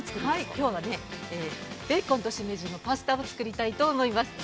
◆きょうはベーコンとしめじのパスタを作りたいと思います。